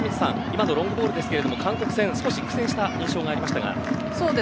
今のロングボールですが韓国戦、少し苦戦した印象がありましたが。